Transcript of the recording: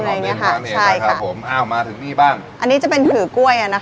ต้นหอมนิดหนึ่งค่ะใช่ค่ะผมเอามาถึงนี่บ้างอันนี้จะเป็นถือกล้วยอ่ะนะคะ